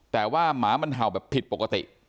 แต่ว่าหมามันเห่าแบบผิดปกติ